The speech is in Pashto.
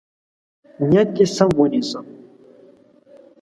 نیت دې سم ونیسه.